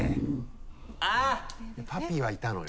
パピはいたのよ。